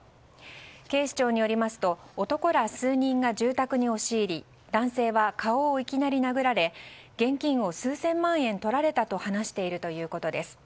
警視庁によりますと男ら数人が住宅に押し入り男性は顔をいきなり殴られ現金を数千万円とられたと話しているということです。